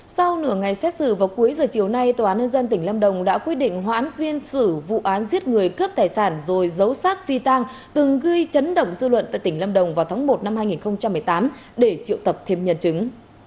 sau nửa ngày xét xử vào cuối giờ chiều nay tòa án nhân dân tỉnh lâm đồng đã quyết định hoãn phiên xử vụ án giết người cướp tài sản rồi giấu sát phi tang từng gây chấn động dư luận tại tỉnh lâm đồng vào tháng một năm hai nghìn một mươi tám để triệu tập thêm nhân chứng